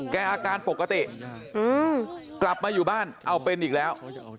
อาการปกติกลับมาอยู่บ้านเอาเป็นอีกแล้ว